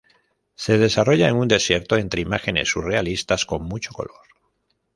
Se desarrolla en un desierto entre imágenes surrealistas con mucho color.